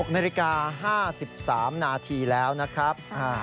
๖นาฬิกา๕๓นาทีแล้วนะครับ